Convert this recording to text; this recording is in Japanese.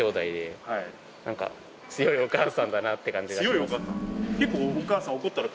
強いお母さん結構。